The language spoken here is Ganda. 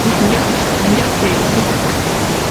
Njasa enku.